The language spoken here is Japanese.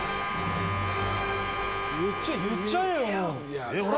言っちゃえもう。